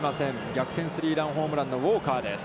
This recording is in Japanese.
逆転スリーランホームランのウォーカーです。